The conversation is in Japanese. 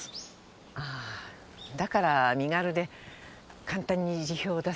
あぁだから身軽で簡単に辞表を出せた？